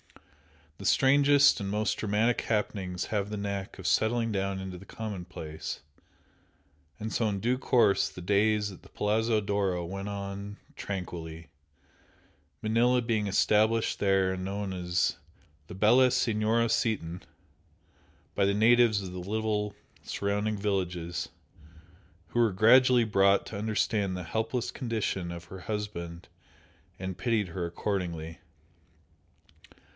The strangest and most dramatic happenings have the knack of settling down into the commonplace, and so in due course the days at the Palazzo d'Oro went on tranquilly, Manella being established there and known as "la bella Signora Seaton" by the natives of the little surrounding villages, who were gradually brought to understand the helpless condition of her husband and pitied her accordingly.